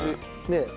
ねえ。